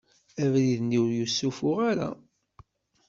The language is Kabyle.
Abrid-nni ur yessufuɣ ara.